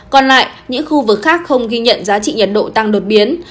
còn lại những khu vực khác không ghi nhận giá trị nhiệt độ tăng đột biến